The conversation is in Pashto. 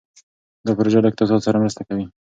دا پروژه له اقتصاد سره مرسته کوي.